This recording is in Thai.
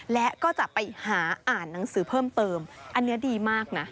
และก็จะไปหาอ่านหนังสือเพิ่มเติมอันนี้ดีมากนะ